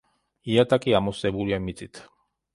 იატაკი ამოვსებულია მიწით.